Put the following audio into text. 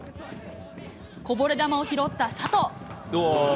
こぼれ球を拾った佐藤。